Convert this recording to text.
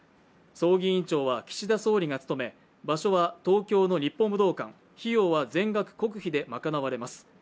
葬儀委員長は岸田総理が務め場所は東京の日本武道館、費用は全額国費で賄われます。